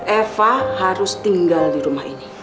eva harus tinggal di rumah ini